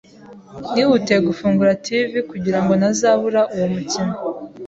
Nihutiye gufungura TV kugirango ntazabura uwo mukino.